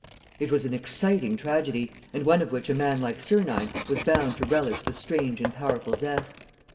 It was an exciting tragedy, and one of which a man like Sernine was bound to relish the strange and powerful zest.